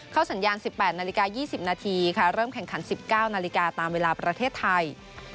สัญญาณ๑๘นาฬิกา๒๐นาทีค่ะเริ่มแข่งขัน๑๙นาฬิกาตามเวลาประเทศไทย